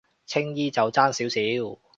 青衣就爭少少